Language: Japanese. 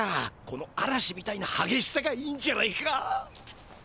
このあらしみたいなはげしさがいいんじゃないか。